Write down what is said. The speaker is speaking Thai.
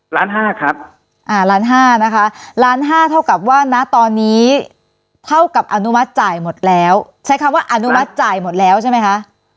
ล้านห้าครับอ่าล้านห้านะคะล้านห้าเท่ากับว่านะตอนนี้เท่ากับอนุมัติจ่ายหมดแล้วใช้คำว่าอนุมัติจ่ายหมดแล้วใช่ไหมคะ